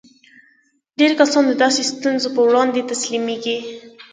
ډېر کسان د داسې ستونزو پر وړاندې تسليمېږي.